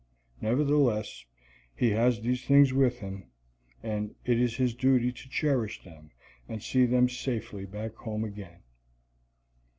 Nevertheless, he has these things with him, and it is his duty to cherish them and see them safely back home again.